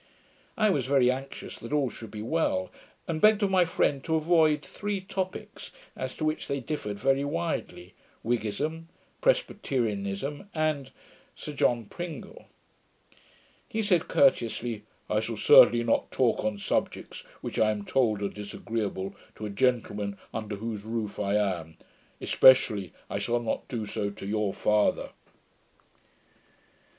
I was very anxious that all should be well; and begged of my friend to avoid three topicks, as to which they differed very widely; Whiggism, Presbyterianism, and Sir John Pringle. He said courteously, 'I shall certainly not talk on subjects which I am told are disagreeable to a gentleman under whose roof I am; especially, I shall not do so to YOUR FATHER.'